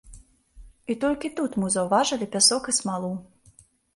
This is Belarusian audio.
І толькі тут мы заўважылі пясок і смалу.